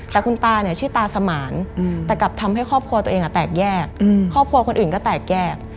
แต่คุณตาเนี่ยชื่อตาสมานแต่กลับทำให้ครอบครัวตัวเองแตกแยกครอบครัวคนอื่นก็แตกแยก